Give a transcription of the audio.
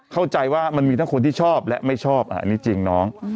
เข้าใจว่ามันมีทั้งคนที่ชอบและไม่ชอบอันนี้จริงน้อง